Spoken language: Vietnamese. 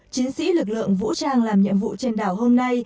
chiến sĩ lực lượng vũ trang làm nhiệm vụ trên đảo hôm nay